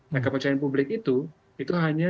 nah kepercayaan publik itu itu hanya